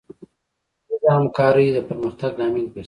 سیمه ایزه همکارۍ د پرمختګ لامل ګرځي.